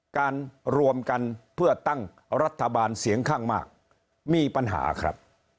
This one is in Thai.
การรวมกันเพื่อตั้งรัฐบาลเสียงข้างมากมีปัญหาครับ